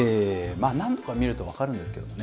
何度か見るとわかるんですけどね